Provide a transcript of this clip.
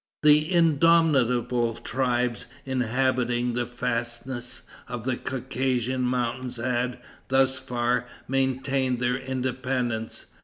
The indomitable tribes inhabiting the fastnesses of the Caucasian mountains had, thus far, maintained their independence.